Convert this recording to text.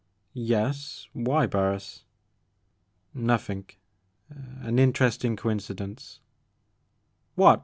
" Yes—why , Barris ?"" Nothing, — an interesting coincidence "" What